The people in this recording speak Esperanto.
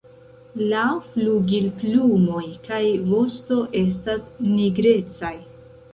La flugilplumoj kaj vosto estas nigrecaj.